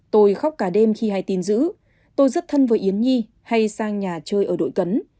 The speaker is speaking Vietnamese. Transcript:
tôi khóc cả đêm khi hay tin giữ tôi rất thân với yến nhi hay sang nhà chơi ở đội cấn